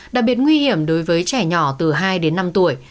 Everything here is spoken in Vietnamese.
đặc biệt nguy hiểm đối với trẻ nhỏ từ hai đến năm tuổi